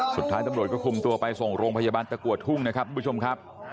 สุดท้ายตำรวจก็คุมตัวไปส่งโรงพยาบาลตะกัวทุ่งนะครับทุกผู้ชมครับ